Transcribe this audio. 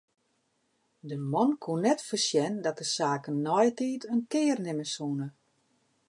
De man koe net foarsjen dat de saken neitiid in kear nimme soene.